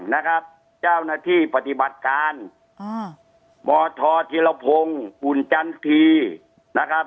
นะครับเจ้าหน้าที่ปฏิบัติการอ่ามทธิรพงศ์อุ่นจันทรีนะครับ